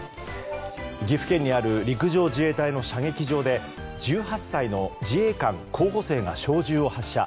岐阜県にある陸上自衛隊の射撃場で１８歳の自衛官候補生が小銃を発射。